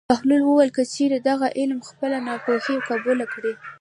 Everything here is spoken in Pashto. بهلول وویل: که چېرې دغه عالم خپله ناپوهي قبوله کړي.